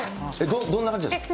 どんな感じなんですか。